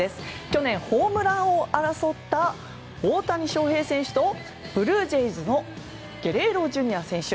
去年ホームラン王を争った大谷翔平選手とブルージェイズのゲレーロＪｒ．選手。